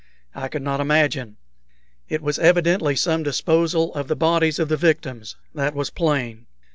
I could not imagine. It was evidently some disposal of the bodies of the victims that was plain.